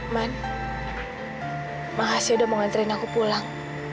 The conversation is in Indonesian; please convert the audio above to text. man makasih udah mau nganterin aku pulang